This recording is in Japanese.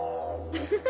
フフフ。